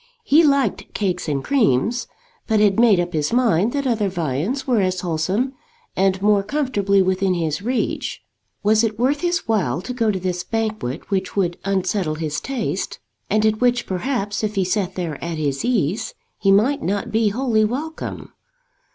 He liked cakes and creams, but had made up his mind that other viands were as wholesome and more comfortably within his reach. Was it worth his while to go to this banquet which would unsettle his taste, and at which perhaps if he sat there at his ease, he might not be wholly welcome?